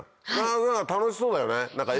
楽しそうだよね。